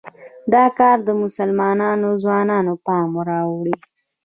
دا کار د مسلمانو ځوانانو پام واړوي.